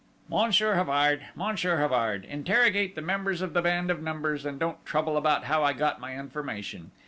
"Monsieur Havard! Monsieur Havard! Interrogate the members of the band of Numbers, and don't trouble about how I got my information